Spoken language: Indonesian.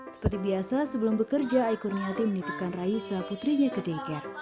seperti biasa sebelum bekerja aiko riniati menitipkan raisa putrinya ke deker